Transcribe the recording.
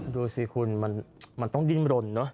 ดูสิคุณมันต้องดิ้นรนเนอะ